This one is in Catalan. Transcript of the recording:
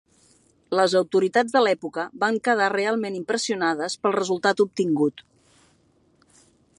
Les autoritats de l'època van quedar realment impressionades pel resultat obtingut.